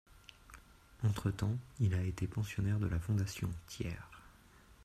Entre-temps, il a été pensionnaire de la Fondation Thiers.